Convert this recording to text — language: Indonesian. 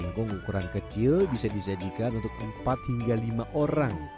lenggong ukuran kecil bisa disajikan untuk empat hingga lima orang